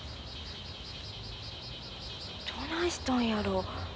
どないしたんやろ。